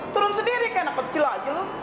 turun sendiri kayak anak kecil aja lu